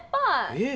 えっ⁉